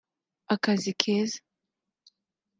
akazi keza